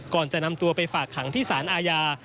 ก่อนจะนำตัวไปฝากขังที่สารอาญา